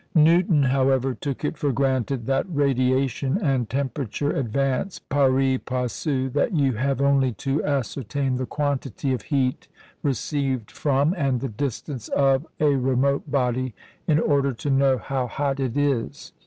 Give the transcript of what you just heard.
Newton, however, took it for granted that radiation and temperature advance pari passu that you have only to ascertain the quantity of heat received from, and the distance of a remote body in order to know how hot it is.